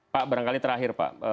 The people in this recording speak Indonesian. pak barangkali terakhir pak